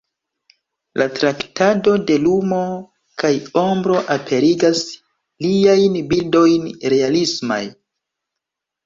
La traktado de lumo kaj ombro aperigas liajn bildojn realismaj.